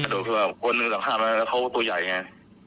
ดูคือว่าคนหนึ่งหลังข้ามมาแล้วเขาตัวใหญ่ไง